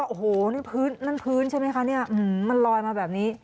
โอ้โฮนั่นพื้นใช่ไหมคะมันลอยมาแบบนี้